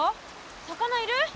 魚いる？